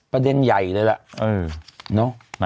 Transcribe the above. ประเด็นใหญ่เลยล่ะ